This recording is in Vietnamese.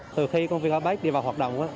từ khi công viên apec đi vào hoạt động